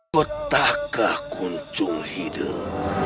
ketakah kuncung hidup